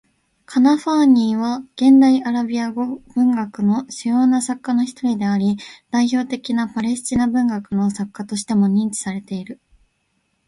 カナファーニーは、現代アラビア語文学の主要な作家の一人であり、代表的なパレスチナ文学の作家としても認知されている。